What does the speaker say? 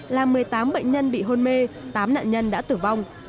làm một mươi tám bệnh nhân bị hôn mê tám nạn nhân đã tử vong